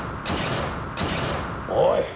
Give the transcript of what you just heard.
おい！